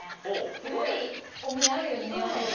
すごいお胸あるように見えませんか？